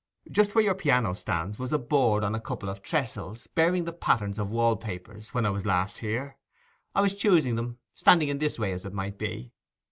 Just where your piano stands was a board on a couple of trestles, bearing the patterns of wall papers, when I was last here. I was choosing them—standing in this way, as it might be.